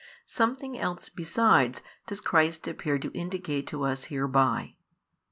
Something else besides does Christ appear to indicate to us hereby.